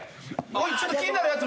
ちょっと気になるやつ